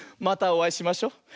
またおあいしましょ。